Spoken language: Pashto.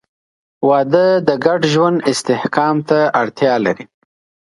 • واده د ګډ ژوند استحکام ته اړتیا لري.